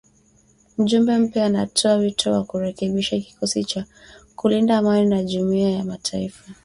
Mjumbe mpya anatoa wito wa kurekebishwa kikosi cha kulinda amani cha Jumuiya ya mataifa.